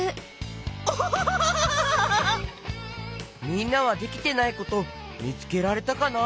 みんなはできてないことみつけられたかな？